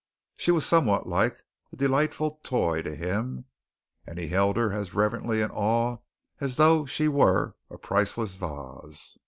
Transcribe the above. She was somewhat like a delightful toy to him, and he held her as reverently in awe as though she were a priceless vase.